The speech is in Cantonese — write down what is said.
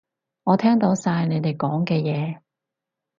我聽到晒你哋講嘅嘢